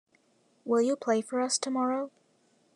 Will you play for us tomorrow?